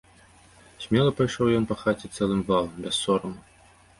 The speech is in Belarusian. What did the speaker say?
Смела пайшоў ён па хаце цэлым валам, без сораму.